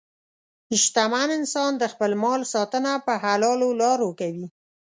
شتمن انسان د خپل مال ساتنه په حلالو لارو کوي.